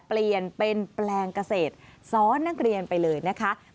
เปลี่ยนเป็นแปลงเกษตรซ้อนนักเรียนไปเลยนะคะ